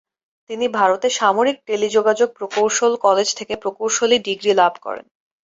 তিনি ভারতের সামরিক টেলিযোগাযোগ প্রকৌশল কলেজ থেকে প্রকৌশলী ডিগ্রী লাভ করেন।